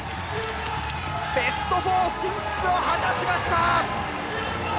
ベスト４進出を果たしました！